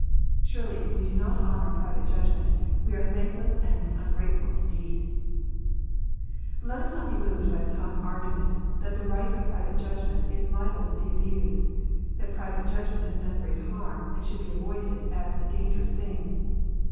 Surely if we do not honour private judgment, we are thankless and ungrateful indeed ! Let us not be moved by the common argument, that the right of private judgment is liable to be abused, that private judg ment has done great harm, and should be avoided as a dangerous thing.